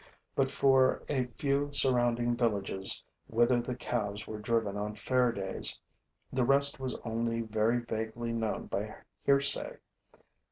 But for a few surrounding villages, whither the calves were driven on fair days, the rest was only very vaguely known by hearsay.